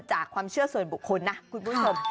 จากความเชื่อเสริมบุคคลนะคุณผู้ชม